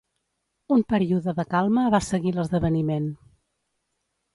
Un període de calma va seguir l'esdeveniment.